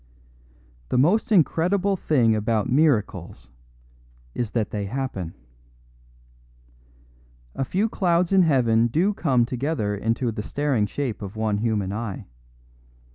The most incredible thing about miracles is that they happen. A few clouds in heaven do come together into the staring shape of one human eye.